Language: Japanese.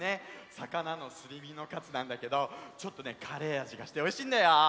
さかなのすりみのカツなんだけどちょっとねカレーあじがしておいしいんだよ！